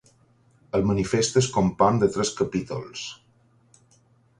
El manifest es compon de tres capítols.